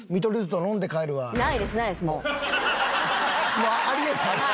もうあり得ない？